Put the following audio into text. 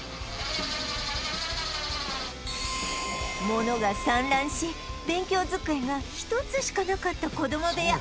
物が散乱し勉強机が１つしかなかった子供部屋